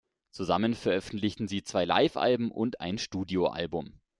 Zusammen veröffentlichten sie zwei Live-Alben und ein Studioalbum.